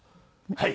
はい。